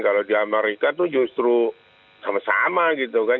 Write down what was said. kalau di amerika itu justru sama sama gitu kan